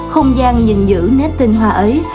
không gian nhìn giữ nét tinh hoa ấy